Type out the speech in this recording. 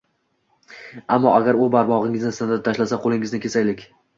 Ammo agar u barmog'ingizni sindirib tashlasa, qo'lingizni kesaylik